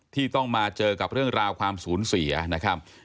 ที่ต้องมาเจอกับเรื่องราวความสูญเสียนะครับ